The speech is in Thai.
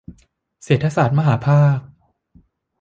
เศรษฐศาสตร์มหภาค